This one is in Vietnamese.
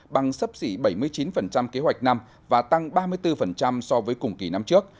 bằng sấp xỉ bảy mươi chín kế hoạch năm và tăng ba mươi bốn so với cùng kỳ năm trước